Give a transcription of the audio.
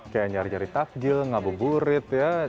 kayak nyari nyari tafjil ngabuk burit ya